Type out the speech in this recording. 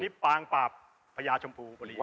นี่ปางปากพหญาชมภูปุรี